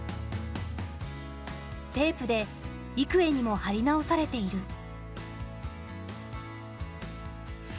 テープで幾重にも貼り直されている。